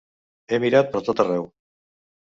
He mirat pertot arreu.